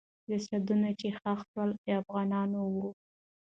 جسدونه چې ښخ سول، د افغانانو وو.